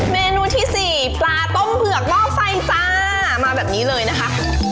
เมนูที่สี่ปลาต้มเผือกหม้อไฟจ้ามาแบบนี้เลยนะคะ